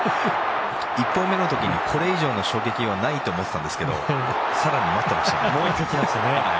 １本目の時にこれ以上の衝撃はないと思っていたんですけど更に待ってましたね。